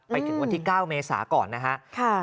ไปถึงวันที่๙เมษาก่อนนะครับ